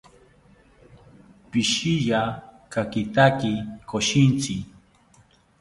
Pishiya kakitaki koshintzi